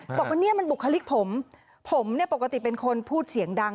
บอกว่าเนี่ยมันบุคลิกผมผมเนี่ยปกติเป็นคนพูดเสียงดัง